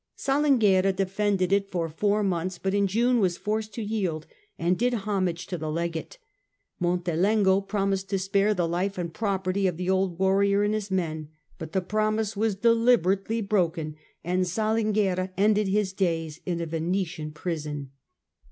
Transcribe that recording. Salinguerra defended it for four months, but in June was forced to yield and did homage to the Legate. Montelengo promised to spare the life and property of the old warrior and his men, but the promise was deliberately broken and Salinguerra ended his days in a Venetian prison.